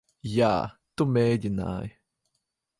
Jā, tu mēģināji.